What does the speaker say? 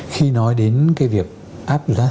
khi nói đến cái việc áp giá sản